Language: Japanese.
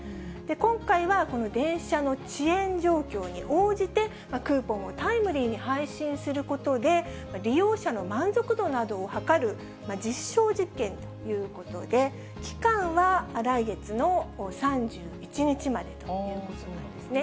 今回はこの電車の遅延状況に応じて、クーポンをタイムリーに配信することで、利用者の満足度などをはかる実証実験ということで、期間は来月の３１日までということなんですね。